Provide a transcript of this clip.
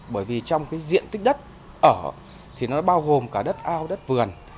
bởi vì trong cái diện tích đất ở thì nó bao gồm cả đất ao đất vườn